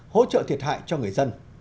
hỗ trợ thiệt hại cho người dân